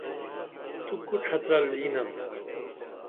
تو کو ڇھترل ینپ؟